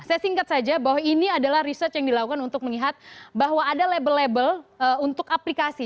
saya singkat saja bahwa ini adalah research yang dilakukan untuk melihat bahwa ada label label untuk aplikasi